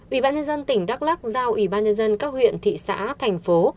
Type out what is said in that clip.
ủy ban nhân dân tỉnh đắk lắc giao ủy ban nhân dân các huyện thị xã thành phố